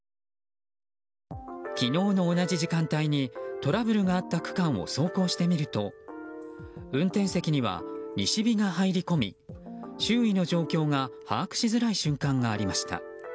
昨日の同じ時間帯にトラブルがあった区間を走行してみると運転席には西日が入り込み、周囲の状況が把握しづらい瞬間がありました。